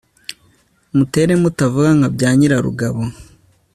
mutere mutavuga nka byanyirarugabo